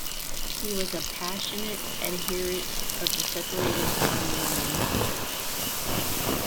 He was a passionate adherent of the separated Armenian Church.